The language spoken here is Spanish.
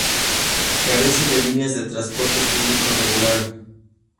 Carece de líneas de transporte público regular.